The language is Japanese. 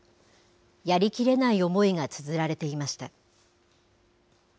やりきれない思いがつづられていました。